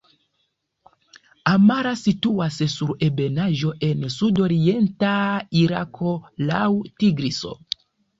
Amara situas sur ebenaĵo en sudorienta Irako laŭ Tigriso.